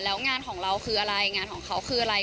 แล้วงานของเราคืออะไรงานของเขาคืออะไร